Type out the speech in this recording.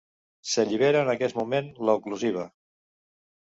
S'allibera en aquest moment l'oclusiva.